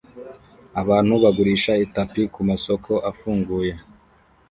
Abantu bagurisha itapi kumasoko afunguye